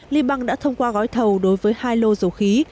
liban đã thông qua gói thầu đối với hai lô dầu khí